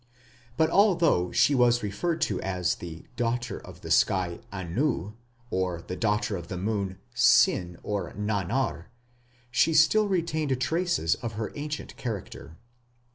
But although she was referred to as the daughter of the sky, Anu, or the daughter of the moon, Sin or Nannar, she still retained traces of her ancient character.